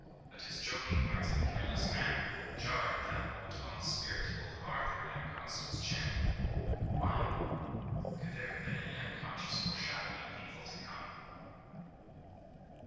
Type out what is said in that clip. But his joking words and careless manner jarred at that moment upon the spirit both of Arthur and Constance Channing. Why? Could there have been any unconscious foreshadowing of evil to come?